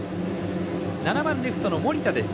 ７番レフトの森田です。